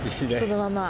そのまま。